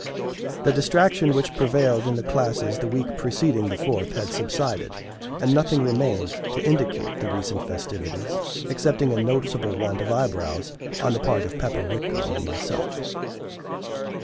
The distraction which prevailed in the classes the week preceding the Fourth had subsided, and nothing remained to indicate the recent festivities, excepting a noticeable want of eyebrows on the part of Pepper Whitcomb and myself.